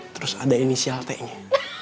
terus ada inisial tehnya